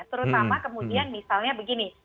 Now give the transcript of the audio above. terutama kemudian misalnya begini